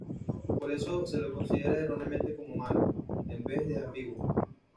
Por eso se lo considera erróneamente como malo, en vez de ambiguo.